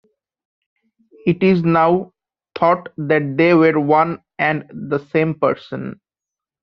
It is now thought that they were one and the same person.